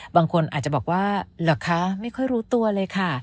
บางคนอาจจะบอกว่าเหรอคะไม่ค่อยรู้ตัวเลยค่ะ